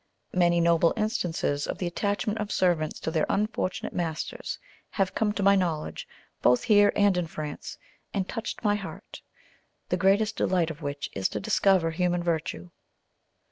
Many noble instances of the attachment of servants to their unfortunate masters have come to my knowledge, both here and in France, and touched my heart, the greatest delight of which is to discover human virtue.